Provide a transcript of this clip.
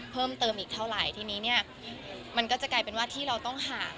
เพิ่มเติมอีกเท่าไหร่ทีนี้เนี่ยมันก็จะกลายเป็นว่าที่เราต้องห่าง